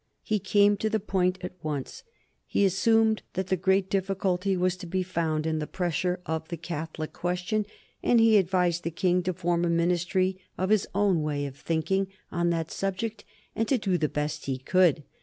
He came to the point at once. He assumed that the great difficulty was to be found in the pressure of the Catholic question, and he advised the King to form a Ministry of his own way of thinking on that subject and to do the best he could.